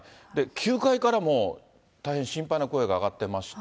球界からも大変心配な声が上がってまして。